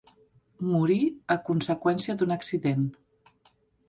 Morí a conseqüència d'un accident.